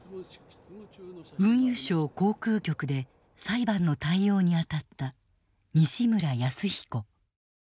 運輸省航空局で裁判の対応に当たった西村泰彦。